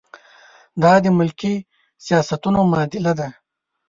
دا د ملکي سیاستونو معادله ده.